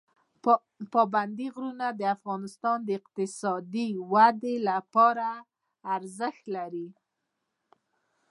پابندي غرونه د افغانستان د اقتصادي ودې لپاره ارزښت لري.